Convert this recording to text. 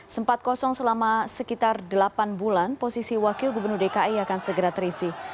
sempat kosong selama sekitar delapan bulan posisi wakil gubernur dki akan segera terisi